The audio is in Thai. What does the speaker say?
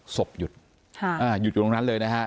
ศพหยุดหยุดอยู่ตรงนั้นเลยนะฮะ